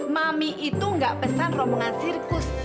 mami itu nggak pesan rombongan sirkus